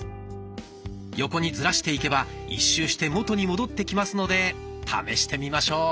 横にズラしていけば一周して元に戻ってきますので試してみましょう。